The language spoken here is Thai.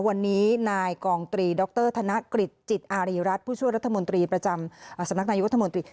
วันนี้นายกองตรีดรธนกฤษจิตอารีรัฐผู้ช่วยรัฐมนตรีประจำสำนักนายุทธมนตรี